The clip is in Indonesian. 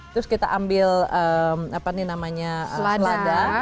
terus kita ambil selada